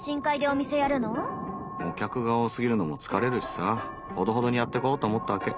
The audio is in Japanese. お客が多すぎるのも疲れるしさほどほどにやってこと思ったワケ。